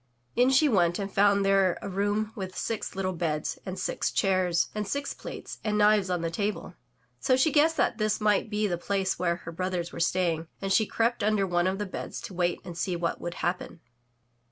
In she went and found there a room with six little beds, and six chairs, and six plates and knives on the table. So she guessed that this might be the place where her brothers were staying, and she crept imder one of the beds to wait and see what would happen.